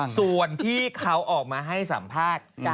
ส่วนที่เขาออกมาให้สัมภาษณ์